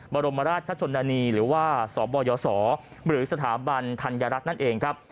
บรมราชชนนานีหรือว่าสบยศหรือสถาบันธัญรักษ์นั่นเองครับ